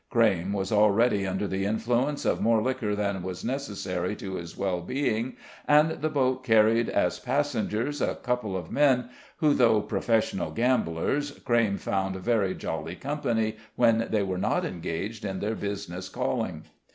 Crayme was already under the influence of more liquor than was necessary to his well being, and the boat carried as passengers a couple of men, who, though professional gamblers, Crayme found very jolly company when they were not engaged in their business calling.